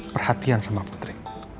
perhatian sama putri